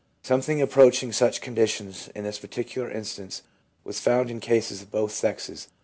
Something approaching such conditions, in this particular instance, was found in cases of both sexes.